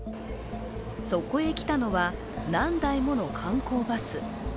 そこへ来たのは何台もの観光バス。